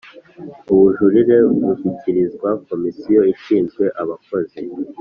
ubujurire bushyikirizwa komisiyo ishinzwe abakozi